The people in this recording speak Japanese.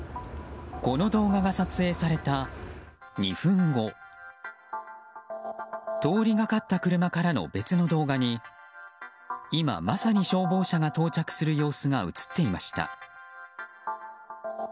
この動画が撮影された２分後通りがかった車からの別の動画に今まさに消防車が到着する様子が映っていました。